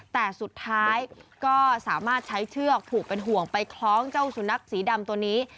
แต่สุดท้ายก็สามารถใช้เชือกผูกเป็นห่วงไปคล้องเจ้าสุนัขสีดำตัวนี้